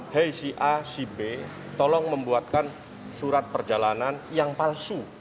hei si a si b tolong membuatkan surat perjalanan yang palsu